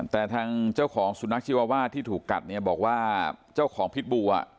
แต่ทางเจ้าของสุนัขชีวาวาสที่ถูกกัดเนี่ยบอกว่าเจ้าของพิษบูอ่ะ